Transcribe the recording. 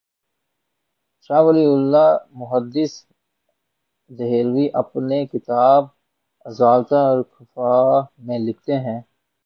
شاہ Waliullah محدث دہلوی اپنی کتاب ”ازالتہ الخفا ء“ میں لکھتے ہیں